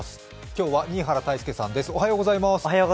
今日は、新原泰佑さんですおはようございます。